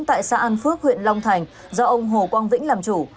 tại xã an phước huyện long thành do ông hồ quang vĩnh làm chủ